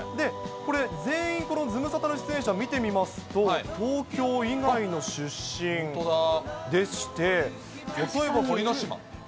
全員このズムサタの出演者、見てみますと、東京以外の出身、でして、例えばとりの島。